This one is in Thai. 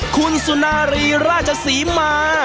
คุณสุนารีราชศรีมา